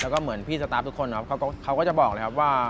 แล้วก็เหมือนพี่สตาร์ฟทุกคนครับเขาก็จะบอกเลยครับว่า